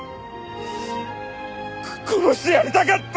殺してやりたかった！